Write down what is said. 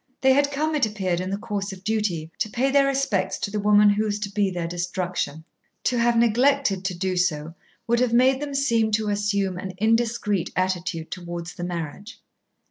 They had come, it appeared, in the course of duty, to pay their respects to the woman who was to be their destruction. To have neglected to do so would have made them seem to assume an indiscreet attitude towards the marriage.